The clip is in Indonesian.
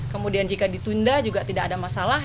kemudian jika ditunda juga tidak ada masalah